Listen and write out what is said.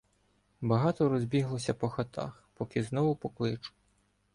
Багато розбіглося по хатах, поки знову покличу.